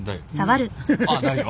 あっ大丈夫。